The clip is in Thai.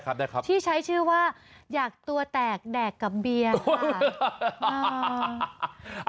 ก็คือว่าอยากตัวแตกแดกกับเบียร์ค่ะ